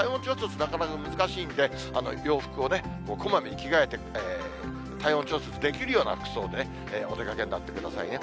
なかなか難しいので、洋服をこまめに着替えて、体温調節できるような服装でお出かけになってくださいね。